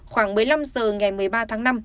khoảng một mươi năm h ngày một mươi ba tháng năm